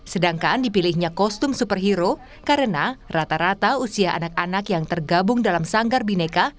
sedangkan dipilihnya kostum superhero karena rata rata usia anak anak yang tergabung dalam sanggar bineka